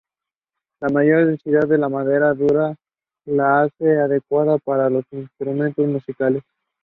La mayor densidad de la madera dura la hace adecuada para los instrumentos musicales.